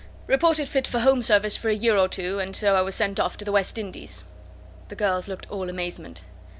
Reported fit for home service for a year or two, and so I was sent off to the West Indies." The girls looked all amazement.